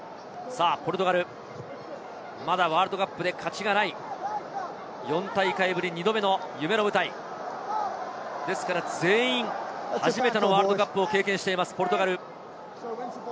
ポルトガル、まだワールドカップで勝ちがない４大会ぶり２度目の夢の舞台ですから全員、初めてのワールドカップを経験しています、ポルトガル。